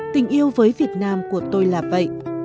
tình yêu với việt nam của tôi là vậy